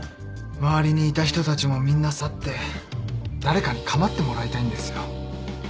周りにいた人たちもみんな去って誰かに構ってもらいたいんですよ。